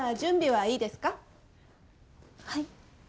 はい。